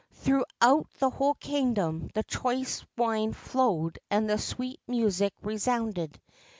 Through out the whole kingdom the choice wine flowed and the sweet music resounded.